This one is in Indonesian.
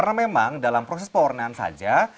karena memang dalam proses pewarnaan saja